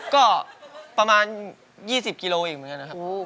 ก็ประมาณ๒๐กิโลอีกเหมือนกันนะครับ